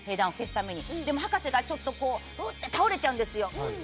でも博士がうって倒れちゃうんですよ。